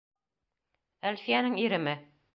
— Әлфиәнең иреме?